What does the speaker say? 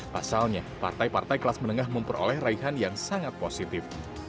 pasalnya partai partai kelas menengah memperoleh raihan yang sangat positif